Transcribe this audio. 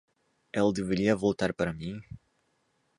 Ele deveria voltar para mim